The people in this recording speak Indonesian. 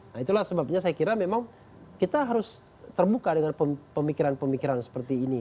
nah itulah sebabnya saya kira memang kita harus terbuka dengan pemikiran pemikiran seperti ini